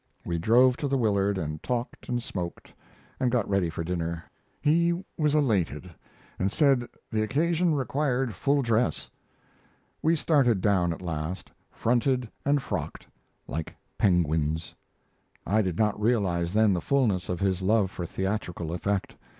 We drove to the Willard and talked and smoked, and got ready for dinner. He was elated, and said the occasion required full dress. We started down at last, fronted and frocked like penguins. I did not realize then the fullness of his love for theatrical effect.